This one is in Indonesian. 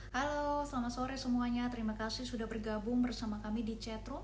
halo selamat sore semuanya terima kasih sudah bergabung bersama kami di chatroom